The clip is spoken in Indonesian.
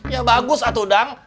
ya bagus atu bang